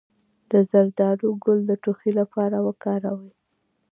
د زردالو ګل د ټوخي لپاره وکاروئ